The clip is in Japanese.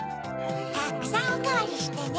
たくさんおかわりしてね！